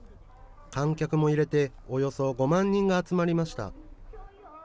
観客も入れて、およそ５万人が集まりました。